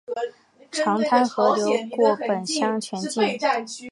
长滩河流过本乡全境。